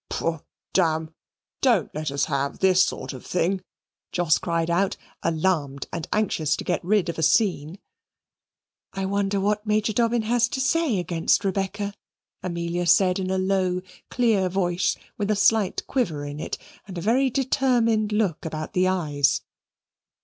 "Pooh! damn; don't let us have this sort of thing!" Jos cried out, alarmed, and anxious to get rid of a scene. "I wonder what Major Dobbin has to say against Rebecca?" Amelia said in a low, clear voice with a slight quiver in it, and a very determined look about the eyes.